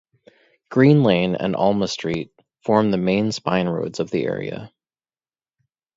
Green Lane and Alma Street form the main spine roads of the area.